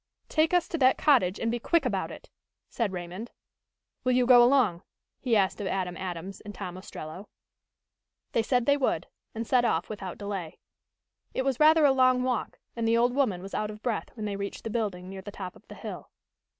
"Take us to that cottage and be quick about it," said Raymond. "Will you go along?" he asked of Adam Adams and Tom Ostrello. They said they would, and set off without delay. It was rather a long walk and the old woman was out of breath when they reached the building near the top of the hill.